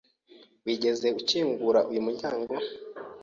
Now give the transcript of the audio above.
Wigeze ukingura uyu muryango?